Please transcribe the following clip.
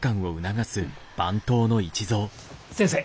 先生